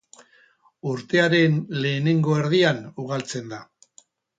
Urtearen lehenengo erdian ugaltzen da.